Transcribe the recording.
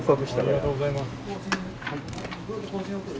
ありがとうございます。